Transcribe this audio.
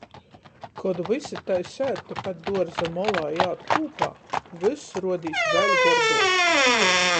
Kod vysi tai sēd tepat duorza molā i ād kūpā, vyss ruodīs vēļ gorduoks.